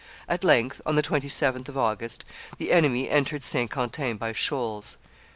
At length, on the 27th of August, the enemy entered Saint Quentin by shoals.